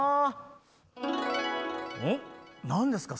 何ですか？